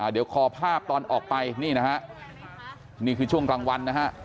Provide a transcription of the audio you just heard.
เดี๋ยวขอภาพตอนออกไปนี่นะฮะนี่คือช่วงกลางวันนะฮะ